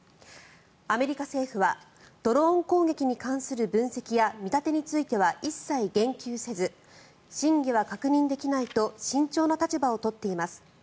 アメリカ政府はドローン攻撃に関する分析や見立てについては一切言及せず真偽は確認できないと慎重な立場を取っています。